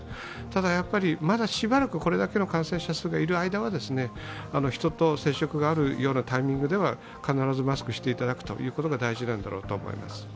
ただ、まだしばらくこれだけの感染者数がいる間は、人と接触があるようなタイミングでは必ずマスクをしていただくのが大事なんだろうと思います。